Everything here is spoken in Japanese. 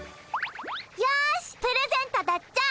よしプレゼントだっちゃ。